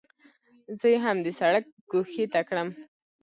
زه یې هم د سړک ګوښې ته کړم.